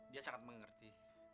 dia sangat mengerti